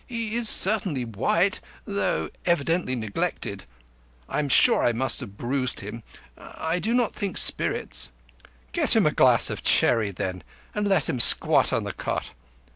He is certainly white, though evidently neglected. I am sure I must have bruised him. I do not think spirits—" "Get him a glass of sherry, then, and let him squat on the cot.